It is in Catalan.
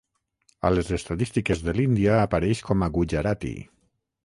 A les estadístiques de l'Índia apareix com a Gujarati.